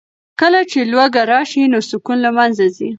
کله چې لوږه راشي نو سکون له منځه ځي.